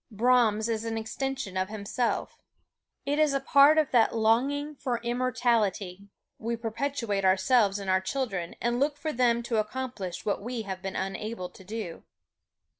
Brahms is an extension of himself. It is a part of that longing for immortality we perpetuate ourselves in our children and look for them to accomplish what we have been unable to do.